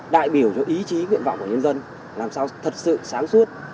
đại biểu cho ý chí nguyện vọng của nhân dân làm sao thật sự sáng suốt